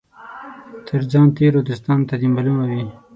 تر ځان تېرو دوستانو ته دي معلومه وي.